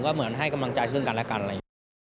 ก็เหมือนให้กำลังใจซึ่งกันและกันอะไรอย่างนี้